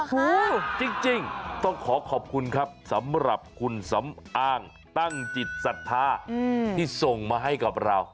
คือจริงต้องขอขอบคุณครับสำหรับคุณสำอางตั้งจิตศรัทธาที่ส่งมาให้กับเรา